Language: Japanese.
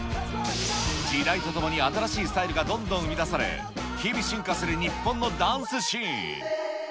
時代とともに新しいスタイルがどんどん生み出され、日々進化する日本のダンスシーン。